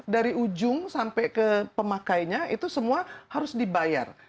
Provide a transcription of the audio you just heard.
dari ujung sampai ke pemakainya itu semua harus dibayar